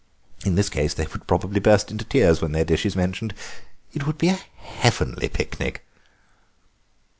In this case they would probably burst into tears when their dish is mentioned. It would be a heavenly picnic."